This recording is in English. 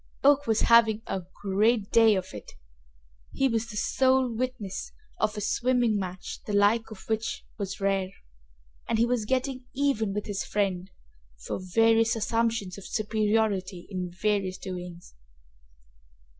Oak was having a great day of it! He was the sole witness of a swimming match the like of which was rare, and he was getting even with his friend for various assumptions of superiority in various doings.